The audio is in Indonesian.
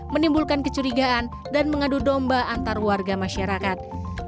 menimbulkan kecurigaan dan mengadu domba antar warga masyarakat